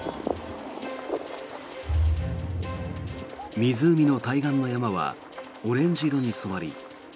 湖の対岸の山はオレンジ色に染まり